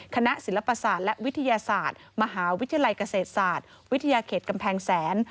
คณะศิลปศาสตร์และวิทยาศาสตร์มหาวิทยาลัยเกษตรศาสตร์วิทยาเขตกำแพงแสน